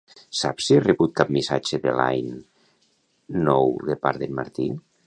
Saps si he rebut cap missatge de Line nou de part d'en Martí?